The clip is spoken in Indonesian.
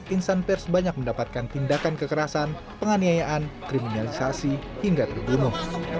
insan pers banyak mendapatkan tindakan kekerasan penganiayaan kriminalisasi hingga terbunuh